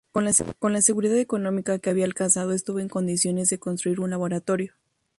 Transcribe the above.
Con la seguridad económica que había alcanzado estuvo en condiciones de construir un laboratorio.